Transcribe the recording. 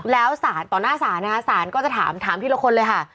แล้วต่อหน้าศาลศาลก็จะถามทีละคนเลย